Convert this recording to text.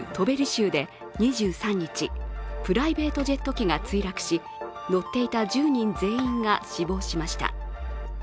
州で２３日、プライベートジェット機が墜落し、乗っていた１０人全員が死亡しました。